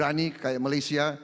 berani kayak malaysia